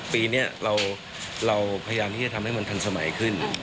ปีนี้เราพยายามที่จะทำให้มันทันสมัยขึ้น